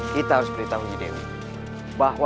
kita harus beritahu dewi bahwa